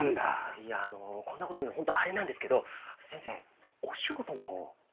いやあのこんなこと言うのホントあれなんですけど先生お仕事のほう。